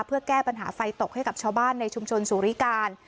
เพื่อแก้ปัญหาไฟตกให้กับชาวบ้านในชุมชนสุริการ